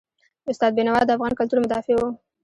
استاد بینوا د افغان کلتور مدافع و.